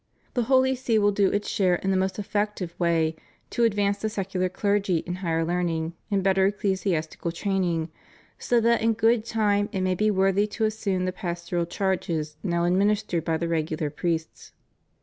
This Holy See will do its share in the most effect ive way to advance the secular clergy in higher learning and better ecclesiastical training, so that in good time it may be worthy to assume the pastoral charges now ad ministered by the regular priests.